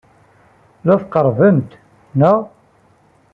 La d-tettqerribemt, naɣ?